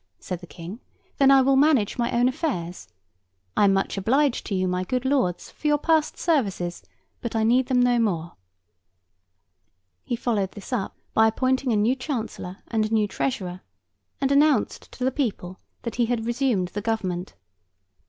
said the King; 'then I will manage my own affairs! I am much obliged to you, my good lords, for your past services, but I need them no more.' He followed this up, by appointing a new Chancellor and a new Treasurer, and announced to the people that he had resumed the Government.